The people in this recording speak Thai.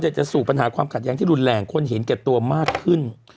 จะสู่ปัญหาความขัดแย้งที่รุนแรงคนเห็นแก่ตัวมากขึ้น